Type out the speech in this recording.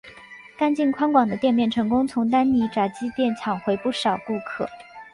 干净宽广的店面成功从丹尼炸鸡店抢回不少顾客。